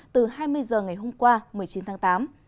từ hai mươi h ngày hôm qua một mươi chín tháng tám